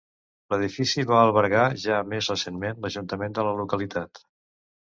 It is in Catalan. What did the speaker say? L'edifici va albergar ja més recentment, l'Ajuntament de la localitat.